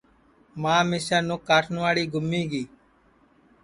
ماں مِسیں نُکھ کاٹٹؔواڑی گُمی گی